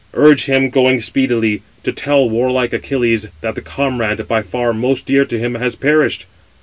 Urge him, going speedily, to tell to warlike Achilles, that the comrade, by far most dear to him, has perished."